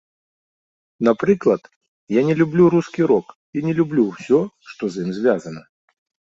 Напрыклад, я не люблю рускі рок і не люблю ўсё, што з ім звязана.